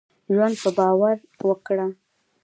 ژوند په باور وکړهٔ.